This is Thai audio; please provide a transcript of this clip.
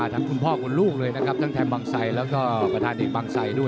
คุณพ่อคุณลูกเลยนะครับทั้งแทนบังไสแล้วก็ประธานเอกบังใส่ด้วย